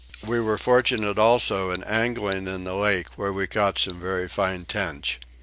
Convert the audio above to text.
We were fortunate also in angling in the lake where we caught some very fine tench.